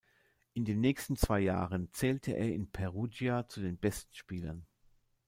In den nächsten zwei Jahren zählte er in Perugia zu den besten Spielern.